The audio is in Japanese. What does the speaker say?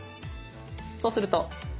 そうすると。